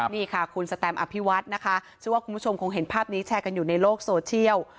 นี่ค่ะคุณสแตมอภิวัฒน์นะคะชื่อว่าคุณผู้ชมคงเห็นภาพนี้แชร์กันอยู่ในโลกโซเชียล